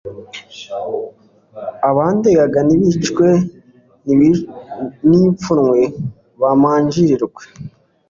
abandegaga nibicwe n'ipfunwe, bamanjirwe